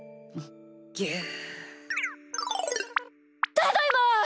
ただいま！